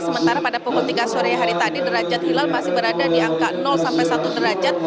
sementara pada pukul tiga sore hari tadi derajat hilal masih berada di angka sampai satu derajat